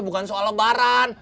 bukan soal lebaran